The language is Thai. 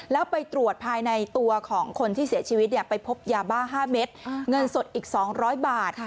แล้วไปตรวจภายในตัวของคนที่เสียชีวิตไปพบยาบ้า๕เม็ดเงินสดอีก๒๐๐บาท